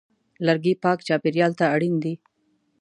لرګی پاک چاپېریال ته اړین دی.